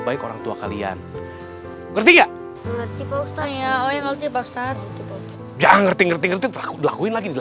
bukan kau tak perlu hati